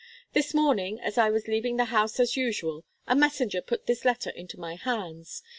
This morning, as I was leaving the house as usual, a messenger put this letter into my hands.